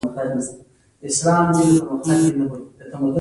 خو دا نظريه مې په پټه خوله په زړه کې وساتله.